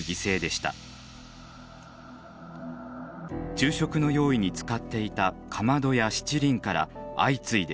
昼食の用意に使っていたかまどや七輪から相次いで出火。